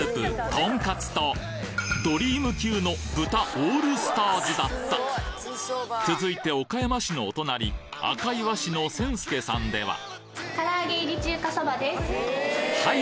トンカツとドリーム級の豚オールスターズだった続いて岡山市のお隣赤磐市の仙助さんでははい！